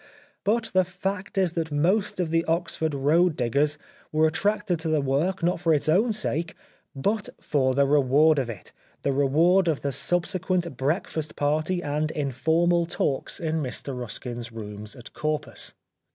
But the fact is that most of the Oxford road diggers were attracted to the work, not for its own sake, but for the reward of it — the reward of the subsequent breakfast party and informal talks in Mr Ruskin's rooms at Corpus.